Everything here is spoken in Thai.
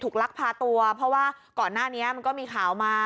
ลักพาตัวเพราะว่าก่อนหน้านี้มันก็มีข่าวมา